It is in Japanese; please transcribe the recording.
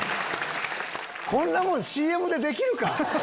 こんなもんＣＭでできるか！